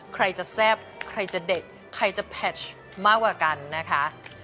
ใครจะแซ่บใครจะเด็ดใครจะแพชมากกว่ากันนะคะ